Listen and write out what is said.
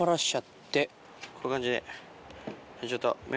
こういう感じで。